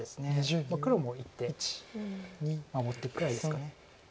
黒も１手守ってぐらいですか。